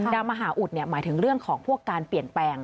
ดาวมหาอุทธิหมายถึงเรื่องของพวกการเปลี่ยนแปลง